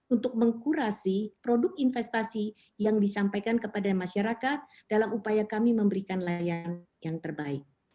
untuk mengkurasi produk investasi yang disampaikan kepada masyarakat dalam upaya kami memberikan layanan yang terbaik